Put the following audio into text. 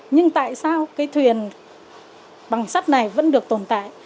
nhưng tại sao cái thuyền bằng sắt này vẫn được tồn tại